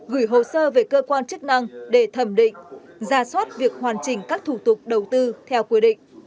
gửi hồ sơ về cơ quan chức năng để thẩm định ra soát việc hoàn chỉnh các thủ tục đầu tư theo quy định